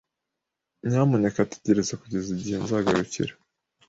Nyamuneka tegereza kugeza igihe nzagarukira.